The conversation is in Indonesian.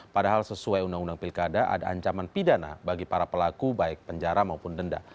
padahal sesuai undang undang pilkada ada ancaman pidana bagi para pelaku baik penjara maupun denda